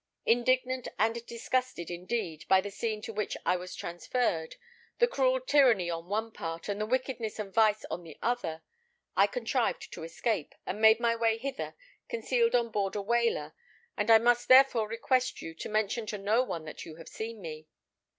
Indignant and disgusted, indeed, by the scene to which I was transferred, the cruel tyranny on one part, and the wickedness and vice on the other, I contrived to escape, and made my way hither, concealed on board a whaler, and I must therefore request you to mention to no one that you have seen me.